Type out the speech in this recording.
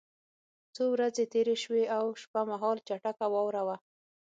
څو ورځې تېرې شوې او شپه مهال چټکه واوره وه